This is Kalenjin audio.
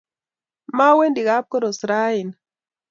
Mowendi kapkoros raini.